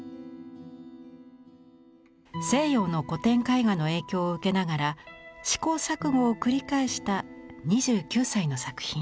西洋の古典絵画の影響を受けながら試行錯誤を繰り返した２９歳の作品。